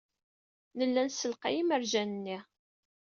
Nella nessalqay imerjan-nni.